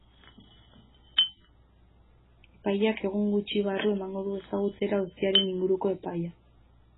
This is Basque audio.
Epaileak egun gutxi barru emango du ezagutzera auziaren inguruko epaia.